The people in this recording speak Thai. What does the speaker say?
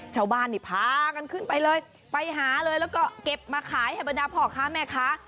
ชาวบ้านนี่พากันขึ้นไปเลยไปหาเลยแล้วก็เก็บมาขายให้บรรดาพ่อค้าแม่ค้า